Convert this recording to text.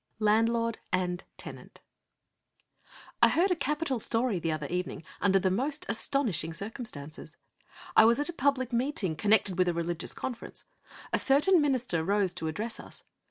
V LANDLORD AND TENANT I heard a capital story the other evening under the most astonishing circumstances. It was at a public meeting connected with a religious conference. A certain minister rose to address us.